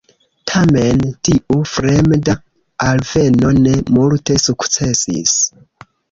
Tamen tiu "fremda" alveno ne multe sukcesis.